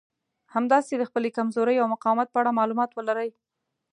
همداسې د خپلې کمزورۍ او مقاومت په اړه مالومات ولرئ.